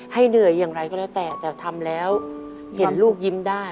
เหนื่อยอย่างไรก็แล้วแต่แต่ทำแล้วเห็นลูกยิ้มได้